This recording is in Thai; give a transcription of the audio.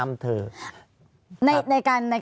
ภารกิจสรรค์ภารกิจสรรค์